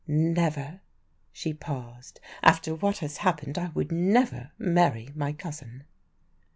"Never!" she paused. "After what has happened I would never marry my cousin."